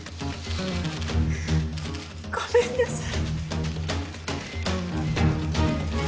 ごめんなさい。